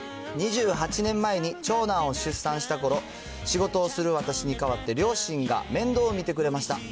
２８年前に長男を出産したころ、仕事をする私に代わって両親が面倒を見てくれました。